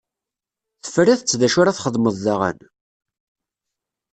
Tefriḍ-tt dacu ara txedmeḍ daɣen?